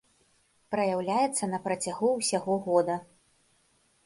Праяўляецца на працягу ўсяго года.